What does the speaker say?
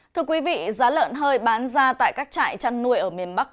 thưa quý vị giá lợn hơi bán ra tại các trại chăn nuôi ở miền bắc